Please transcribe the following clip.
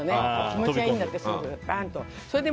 気持ちがいいんだって、すごく。